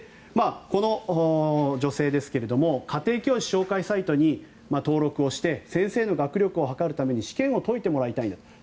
この女性ですが家庭教師紹介サイトに登録して先生の学力を測るために試験を解いてもらいたいんだと。